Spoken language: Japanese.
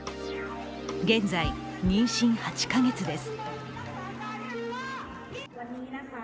現在、妊娠８か月です。